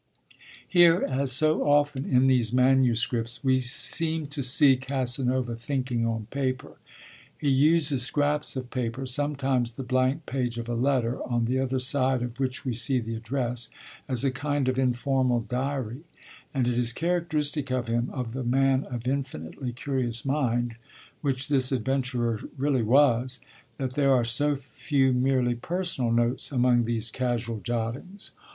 Here, as so often in these manuscripts, we seem to see Casanova thinking on paper. He uses scraps of paper (sometimes the blank page of a letter, on the other side of which we see the address) as a kind of informal diary; and it is characteristic of him, of the man of infinitely curious mind, which this adventurer really was, that there are so few merely personal notes among these casual jottings.